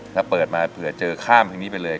ถ้าเปิดมาเผื่อเจอข้ามเพลงนี้ไปเลย